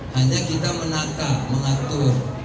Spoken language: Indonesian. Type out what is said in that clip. hanya kita menatap mengatur